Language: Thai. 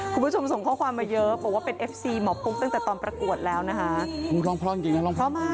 ขอแตรย์แข่งแซม